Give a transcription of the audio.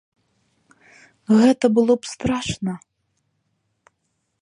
Гэта было б страшна!